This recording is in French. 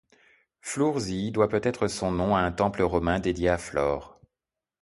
Floursies doit peut-être son nom à un temple romain dédié à Flore.